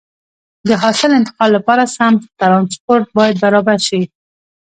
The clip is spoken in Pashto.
د حاصل انتقال لپاره سم ترانسپورت باید برابر شي.